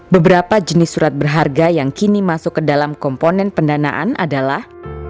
beberapa jenis surat berharga yang kini masuk ke dalam komponen pendanaan adalah